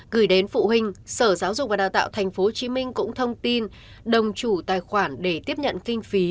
gửi đến phụ huynh sở giáo dục và đào tạo tp hcm cũng thông tin đồng chủ tài khoản để tiếp nhận kinh phí